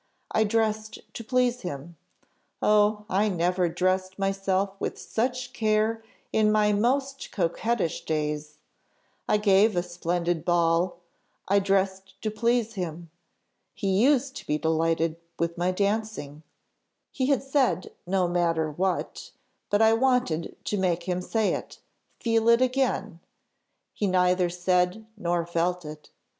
I dressed to please him oh! I never dressed myself with such care in my most coquettish days; I gave a splendid ball; I dressed to please him he used to be delighted with my dancing: he had said, no matter what, but I wanted to make him say it feel it again; he neither said nor felt it.